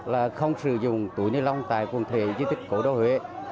là không sử dụng túi ni lông tại quần thể di tích cổ đô huế